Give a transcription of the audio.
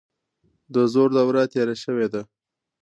د زور دوره تیره شوې ده.